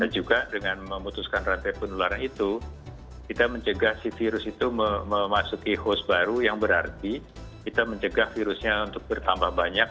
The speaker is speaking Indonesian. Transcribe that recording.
dan juga dengan memutuskan rantai penularan itu kita mencegah si virus itu memasuki host baru yang berarti kita mencegah virusnya untuk bertambah banyak